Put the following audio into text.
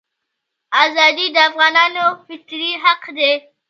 ازادي د افغانانو فطري حق دی.